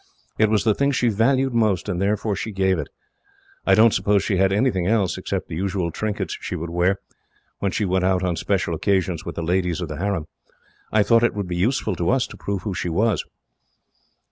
It was the thing she valued most, and therefore she gave it. I don't suppose she had anything else, except the usual trinkets she would wear, when she went out on special occasions with the ladies of the harem. I thought it would be useful to us, to prove who she was."